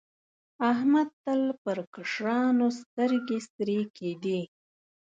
احمد تل پر کشرانو سترګې سرې کېدې.